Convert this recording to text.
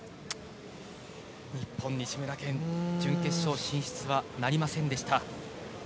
日本、西村拳準決勝進出はなりませんでした。